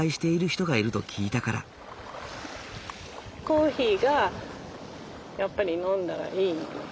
コーヒーがやっぱり飲んだらいいの。